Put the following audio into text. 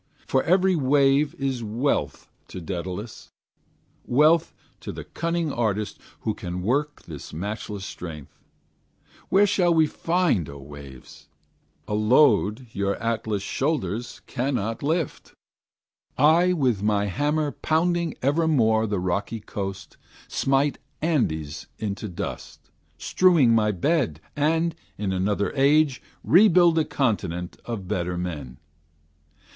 For every wave is wealth to Daedalus, Wealth to the cunning artist who can work This matchless strength. Where shall he find, O waves! A load your Atlas shoulders cannot lift? I with my hammer pounding evermore The rocky coast, smite Andes into dust, Strewing my bed, and, in another age, Rebuild a continent of better men.